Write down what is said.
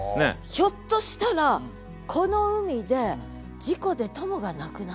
ひょっとしたらこの海で事故で友が亡くなったとか。